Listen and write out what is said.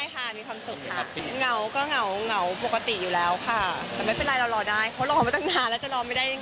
พี่โป๊ะคือน่าจะเบ้กไว้แค่เพื่อนหลีกพูดเอง